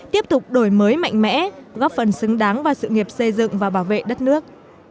tiếp tục đổi mới mạnh mẽ góp phần xứng đáng vào sự nghiệp xây dựng và bảo vệ đất nước